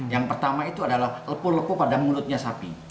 yang pertama itu adalah lepuh lepuh pada mulutnya sapi